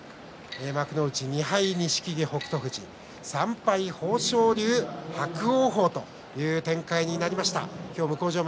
幕内２敗、錦木、北勝富士３敗に豊昇龍、伯桜鵬という展開になりました。